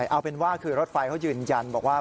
เอาเป็นว่าคือรถไฟเขายืนยันบอกว่า